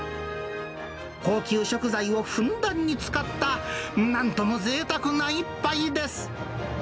高級食材をふんだんに使った、なんともぜいたくな一杯です。